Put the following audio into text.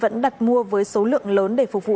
vẫn đặt mua với số lượng lớn để phục vụ